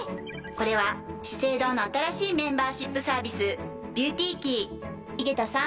これは「資生堂」の新しいメンバーシップサービス「ＢｅａｕｔｙＫｅｙ」井桁さん